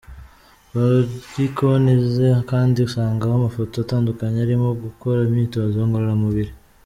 Kuri konti ze kandi usangaho amafoto atandukanye arimo gukora imyitozo ngororamubiri.